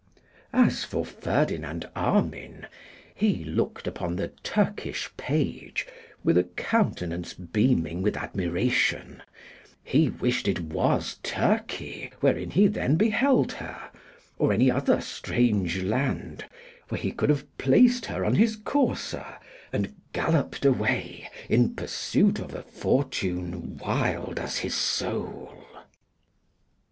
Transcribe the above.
As for Ferdinand Armine, he looked upon the Turkish page with a countenance beaming with admiration; he wished it was Turkey wherein he then beheld her, or any other strange land, where he could have placed her on his courser, and galloped away in pursuit of a fortune wild as his soul.